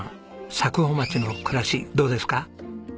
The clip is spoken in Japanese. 佐久穂町の暮らしどうですか？